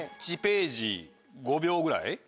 １ページ５秒ぐらい？